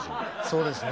そうですね。